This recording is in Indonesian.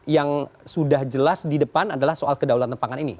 yang sudah jelas di depan adalah soal kedaulatan pangan ini